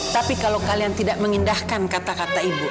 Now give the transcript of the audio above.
tapi kalau kalian tidak mengindahkan kata kata ibu